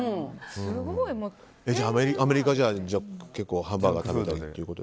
アメリカじゃハンバーガー食べたり？